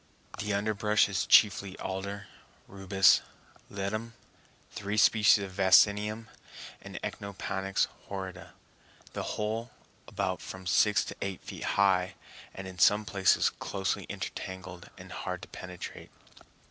The underbrush is chiefly alder, rubus, ledum, three species of vaccinium, and Echinopanax horrida, the whole about from six to eight feet high, and in some places closely intertangled and hard to penetrate.